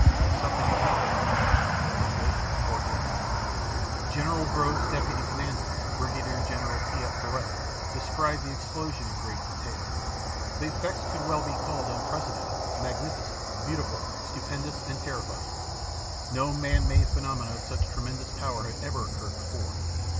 Something had happened, all right, for good or ill." General Groves' deputy commander, Brigadier General T. F. Farrell, described the explosion in great detail: "The effects could well be called unprecedented, magnificent, beautiful, stupendous, and terrifying. No man made phenomenon of such tremendous power had ever occurred before.